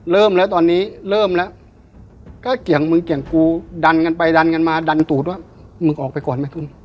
เริ่มแล้วตอนนี้เริ่มแล้วก็เกี่ยงมึงเกี่ยงกูดันกันไปดันกันมาดันตูดว่ามึงออกไปก่อนไหมคุณ